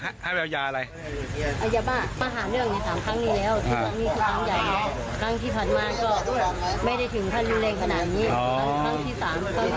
ครั้งที่สามครั้งที่ส่งมาเขาก็มาด่านว่าหนูไม่ใช่แม่เป็นเจ้าพี่